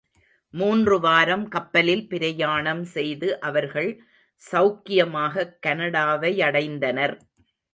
மூன்று வாரம் கப்பலில் பிரயாணம் செய்து அவர்கள் செளக்கியமாகக் கனடாவையடைந்தனர்.